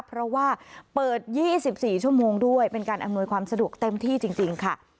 เพราะว่าเปิด๒๔ชั่วโมงด้วยเป็นการอำนวยความสะดวกเต็มที่จริงค่ะ